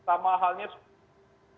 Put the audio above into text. sama halnya seperti ini